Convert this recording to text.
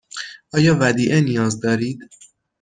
آیا ودیعه نیاز دارید؟